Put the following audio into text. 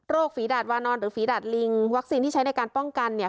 ฝีดาดวานอนหรือฝีดาดลิงวัคซีนที่ใช้ในการป้องกันเนี่ย